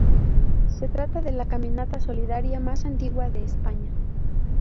Se trata de la caminata solidaria más antigua de España.